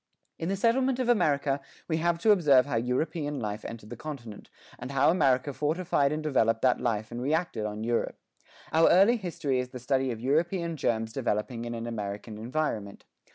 In the settlement of America we have to observe how European life entered the continent, and how America modified and developed that life and reacted on Europe. Our early history is the study of European germs developing in an American environment.